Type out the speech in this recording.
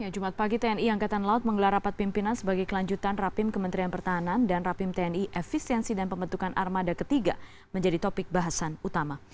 jumat pagi tni angkatan laut menggelar rapat pimpinan sebagai kelanjutan rapim kementerian pertahanan dan rapim tni efisiensi dan pembentukan armada ketiga menjadi topik bahasan utama